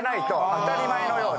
当たり前のように。